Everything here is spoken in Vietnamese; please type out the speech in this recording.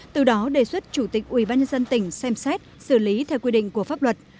từ đó đề xuất chủ tịch ubnd tỉnh xem xét xử lý theo quy định của pháp luật